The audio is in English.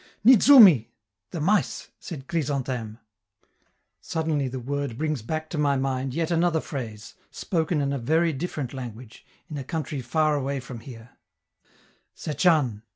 "Nidzoumi!" ("The mice!") said Chrysantheme. Suddenly the word brings back to my mind yet another phrase, spoken in a very different language, in a country far away from here: "Setchan!"